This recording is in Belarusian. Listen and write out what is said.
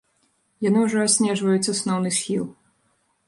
Яны ўжо аснежваюць асноўны схіл.